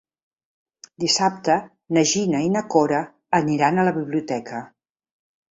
Dissabte na Gina i na Cora aniran a la biblioteca.